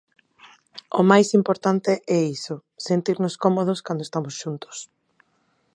O máis importante é iso, sentirnos cómodos cando estamos xuntos.